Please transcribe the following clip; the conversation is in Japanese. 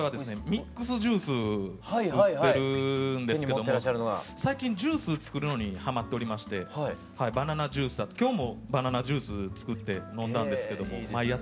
ミックスジュース作ってるんですけども最近ジュース作るのにハマっておりまして今日もバナナジュース作って飲んだんですけども毎朝はい。